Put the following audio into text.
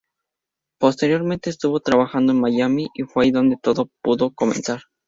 Posteriormente estuvo trabajando en Miami y fue allí donde todo pudo comenzar.